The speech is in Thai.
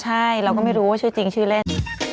ใช่เราก็ไม่รู้ว่าชื่อจริงชื่อเล่น